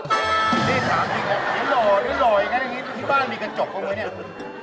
นี่ถามที่หล่ออย่างนี้ที่บ้านมีกระจกข้างบน